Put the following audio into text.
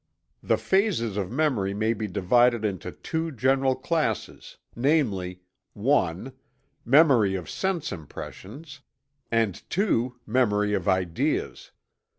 The phases of memory may be divided into two general classes, namely (1) Memory of Sense Impressions; and (2) Memory of Ideas.